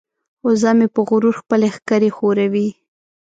وزه مې په غرور خپلې ښکرې ښوروي.